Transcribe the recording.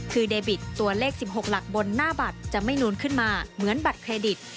คือเดบิตตัวเลข๑๖หลักบนหน้าบัตรจะไม่นูนขึ้นมาเหมือนบัตรเครดิต